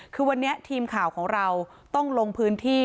คือวันนี้ทีมข่าวของเราต้องลงพื้นที่